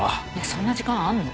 そんな時間あんの？